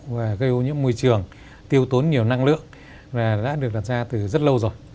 và gây ưu nhiễm môi trường tiêu tốn nhiều năng lượng đã được đặt ra từ rất lâu rồi